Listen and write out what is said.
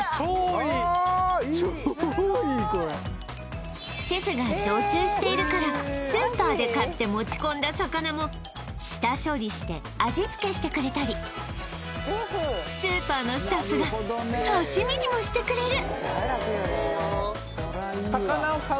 これシェフが常駐しているからスーパーで買って持ち込んだ魚も下処理して味付けしてくれたりスーパーのスタッフが刺身にもしてくれる・